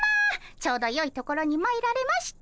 ちょうどよいところにまいられました。